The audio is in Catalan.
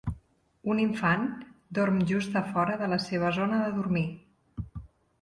Un infant dorm just a fora de la seva zona de dormir.